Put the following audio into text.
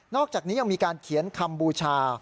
อกจากนี้ยังมีการเขียนคำบูชา